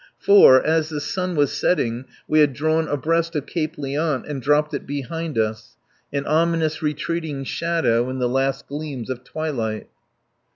For, as the sun was setting, we had drawn abreast of Cape Liant and dropped it behind us: an ominous retreating shadow in the last gleams of twilight.